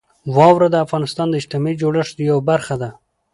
واوره د افغانستان د اجتماعي جوړښت یوه برخه ده.